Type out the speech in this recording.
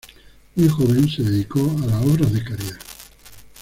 Muy joven se dedicó a las obras de caridad.